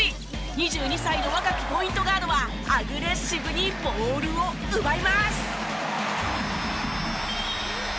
２２歳の若きポイントガードはアグレッシブにボールを奪います。